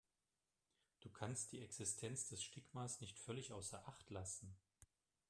Du kannst die Existenz des Stigmas nicht völlig außer Acht lassen.